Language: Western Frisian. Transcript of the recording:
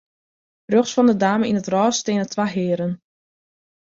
Rjochts fan 'e dame yn it rôs steane twa hearen.